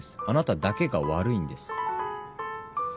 あなただけが悪いんです。